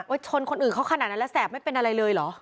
ชนคนอื่นเขาขนาดนั้นแล้วแสบไม่เป็นอะไรเลยเหรอ